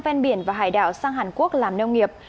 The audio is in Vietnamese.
ven biển và hải đảo sang hàn quốc làm nông nghiệp